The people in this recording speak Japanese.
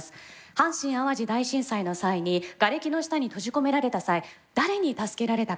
阪神・淡路大震災の際にがれきの下に閉じ込められた際誰に助けられたか。